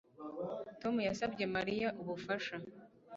Tom yasabye Mariya ubufasha